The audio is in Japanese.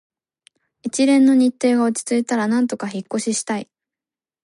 一連の日程が落ち着いたら、なんとか引っ越ししたい